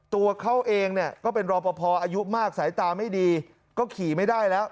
ตัวเขาเองเนี่ยก็เป็นรอปภอายุมากสายตาไม่ดีก็ขี่ไม่ได้แล้ว